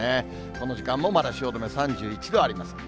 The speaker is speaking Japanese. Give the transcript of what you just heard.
この時間もまだ汐留３１度あります。